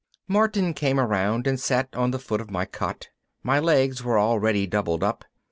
Martin came around and sat on the foot of my cot. My legs were already doubled up.